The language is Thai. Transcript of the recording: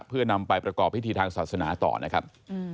เพื่อนำไปประกอบพิธีทางศาสนาต่อนะครับ